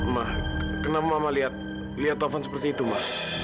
ma kenapa mama lihat taufan seperti itu ma